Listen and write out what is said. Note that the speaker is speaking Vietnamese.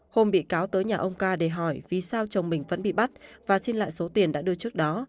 hôm bị cáo tới nhà ông ca để hỏi vì sao chồng mình vẫn bị bắt và xin lại số tiền đã đưa trước đó